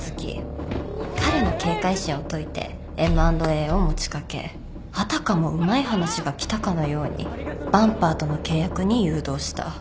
彼の警戒心を解いてＭ＆Ａを持ち掛けあたかもうまい話がきたかのようにバンパーとの契約に誘導した。